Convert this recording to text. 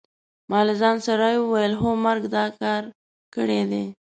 ما له ځان سره وویل: هو مرګ دا کار کړی دی.